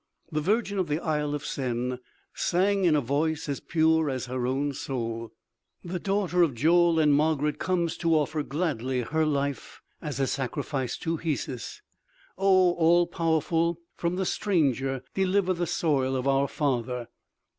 The virgin of the Isle of Sen sang in a voice as pure as her own soul: "The daughter of Joel and Margarid comes to offer gladly her life as a sacrifice to Hesus! "Oh, All Powerful! From the stranger deliver the soil of our father!